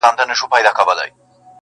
نه دعا نه په جومات کي خیراتونو-